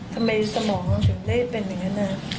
ทำไมสมองถึงได้เป็นอย่างนั้นนะ